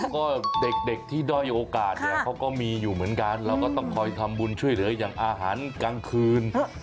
ก็เด็กที่ด้อยโอกาสเนี่ยเขาก็มีอยู่เหมือนกันเราก็ต้องคอยทำบุญช่วยเหลืออย่างอาหารกลางคืน